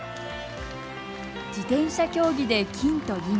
自転車競技で金と銀。